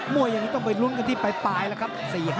ม้วยอย่างนี้ทำไปล้วนกันที่ไปไปละครับ